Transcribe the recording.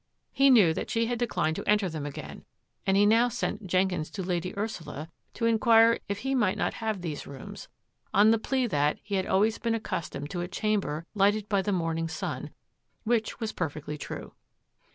He knew that she had declined to enter them again and he now sent Jenkins to Lady Ursula to inquire if he might not have these rooms, on the plea that he had always been accustomed to a chamber lighted by the morning sun, which was perfectly true.